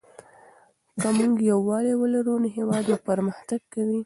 که موږ یووالي ولرو نو هېواد مو پرمختګ کوي.